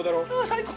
最高。